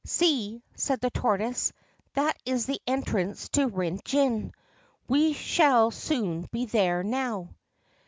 ' See !' said the tortoise, ' that is the entrance to Rin Gin. We shall soon be there now.